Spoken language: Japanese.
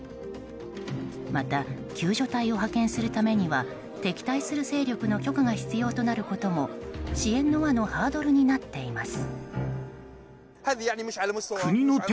また、救助隊を派遣するためには敵対する勢力の許可が必要となることも支援の輪のハードルになっています。